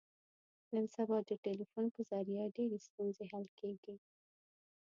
نن سبا د ټلیفون په ذریعه ډېرې ستونزې حل کېږي.